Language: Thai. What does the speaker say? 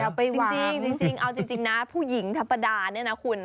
อย่าไปหวางจริงเอาจริงนะผู้หญิงธรรมดานี่นะคุณ